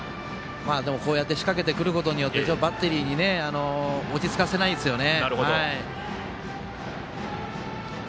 こうやって仕掛けてくることによってバッテリーを落ち着かせないですよね。